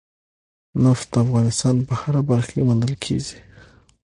نفت د افغانستان په هره برخه کې موندل کېږي.